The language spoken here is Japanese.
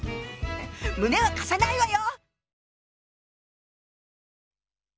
胸は貸さないわよ！